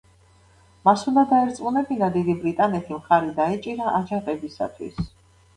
მას უნდა დაერწმუნებინა დიდი ბრიტანეთი, მხარი დაეჭირა აჯანყებისათვის.